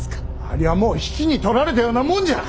ありゃもう比企に取られたようなもんじゃ。